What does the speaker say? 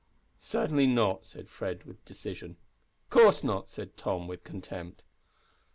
"Certainly not," said Fred, with decision. "Of course not," said Tom, with contempt.